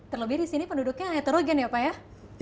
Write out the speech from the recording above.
terlebih disini penduduknya heterogen ya pak ya